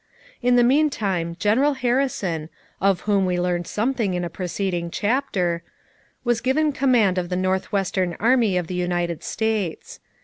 In the meantime General Harrison, of whom we learned something in a preceding chapter, was given command of the north western army of the United States.